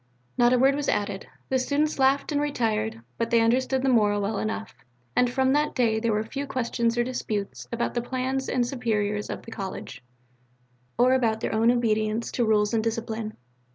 Not a word was added: the students laughed and retired, but they understood the moral well enough, and from that day there were few questions or disputes about the plans and superiors of the college, or about their own obedience to rules and discipline.